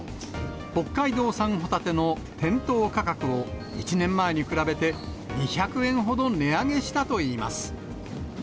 北海道産ホタテの店頭価格を１年前に比べて２００円ほど値上げしたといいます。